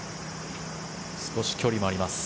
少し距離もあります。